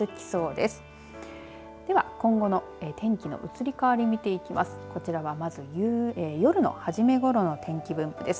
では今後の天気の移り変わり見ていきます。